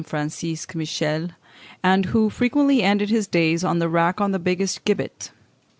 Francisque Michel, and who frequently ended his days on the rack or the gibbet.